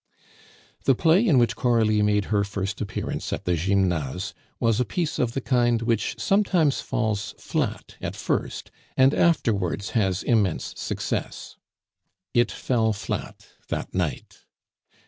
The play in which Coralie made her first appearance at the Gymnase was a piece of the kind which sometimes falls flat at first, and afterwards has immense success. It fell flat that night.